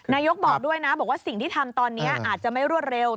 นายกบอกด้วยนะบอกว่าสิ่งที่ทำตอนนี้อาจจะไม่รวดเร็ว